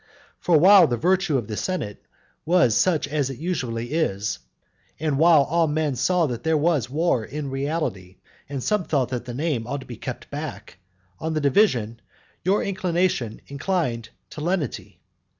For while the virtue of the senate was such as it usually is, and while all men saw that there was war in reality, and some thought that the name ought to be kept back, on the division, your inclination inclined to lenity.